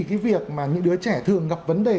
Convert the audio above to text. cái việc mà những đứa trẻ thường gặp vấn đề